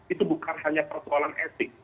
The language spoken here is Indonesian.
itu bukan hanya persoalan etik